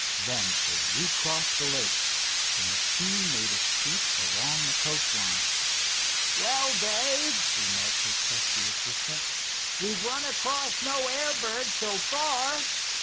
Then they recrossed the lake. The machine made a sweep along the coast line. "Well, Dave," remarked his trusty assistant, "we've run across no air bird so far."